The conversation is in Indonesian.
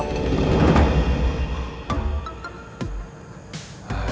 ketemu calon istri sama calon anak